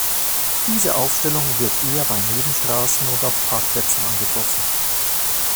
Diese Aufstellung wird eher bei Nebenstraßen und auf Parkplätzen angetroffen.